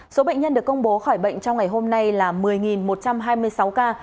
số bệnh nhân được công bố khỏi bệnh trong ngày hôm nay là một mươi một trăm hai mươi sáu ca